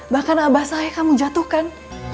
bahkan abah saya kamu jatuhkan